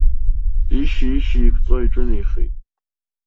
Ишьи-ишьи еиқәҵо иҿынеихеит.